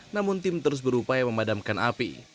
namun tim terus berupaya memadamkan api